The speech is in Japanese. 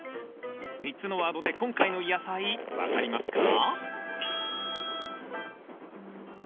３つのワードで今回の野菜分かりますか？